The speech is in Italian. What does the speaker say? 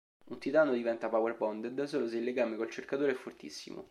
Un Titano diventa "Power-bonded" solo se il legame col Cercatore è fortissimo.